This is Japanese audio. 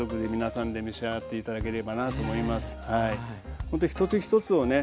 ほんと一つ一つをね